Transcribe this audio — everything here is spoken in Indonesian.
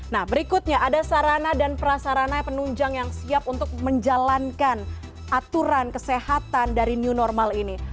nah berikutnya ada sarana dan prasarana penunjang yang siap untuk menjalankan aturan kesehatan dari new normal ini